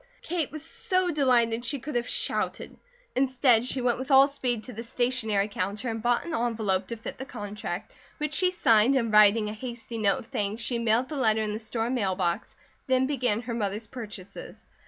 Kate was so delighted she could have shouted. Instead she went with all speed to the stationery counter and bought an envelope to fit the contract, which she signed, and writing a hasty note of thanks she mailed the letter in the store mail box, then began her mother's purchases.